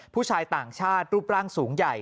ผู้ชายต่างชาติรูปร่างสูงใหญ่